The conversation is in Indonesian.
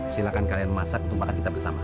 silahkan kalian masak untuk makan kita bersama